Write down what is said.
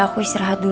pintu pikir hace